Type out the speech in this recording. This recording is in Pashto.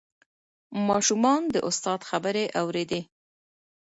ماشومان د استاد خبرې اورېدې.